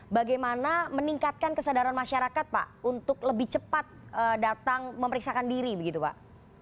bagaimana meningkatkan kesadaran masyarakat pak untuk lebih cepat datang memeriksakan diri begitu pak